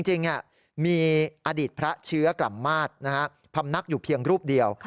จริงมีอดีตพระเชื้อกลับมาสพำนักอยู่เพียงรูปเดียว